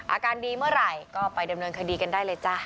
อาการดีเมื่อไหร่ก็ไปดำเนินคดีกันได้เลยจ้ะ